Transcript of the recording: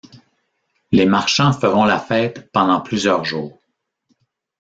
Les marchands feront la fête pendant plusieurs jours.